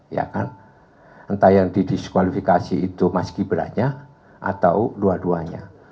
ya kan entah yang didiskualifikasi itu mas gibran nya atau dua duanya